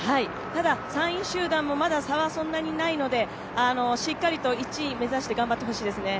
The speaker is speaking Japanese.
ただ、３位集団もまだ差はそんなにないのでしっかりと１位を目指して頑張ってほしいですね。